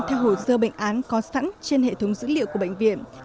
theo hồ sơ bệnh án có sẵn trên hệ thống dữ liệu của bệnh viện